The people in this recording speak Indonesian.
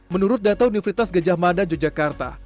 menurut data universitas gejah mada yogyakarta